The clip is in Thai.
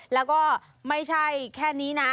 แล้วก็ไม่ใช่แค่นี้นะ